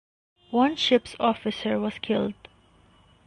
One ship's officer was killed.